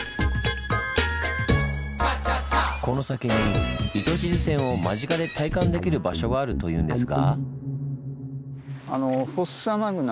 この先に糸静線を間近で体感できる場所があるというんですが。